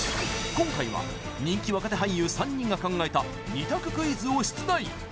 今回は人気若手俳優３人が考えた２択クイズを出題